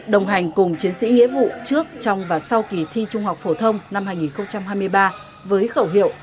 đồng hành cùng chiến sĩ nghĩa vụ trước trong và sau kỳ thi trung học phổ thông năm hai nghìn hai mươi ba với khẩu hiệu